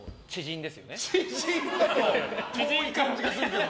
遠い感じがするけど。